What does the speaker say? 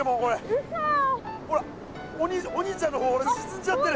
ほらお兄ちゃんの方しずんじゃってる。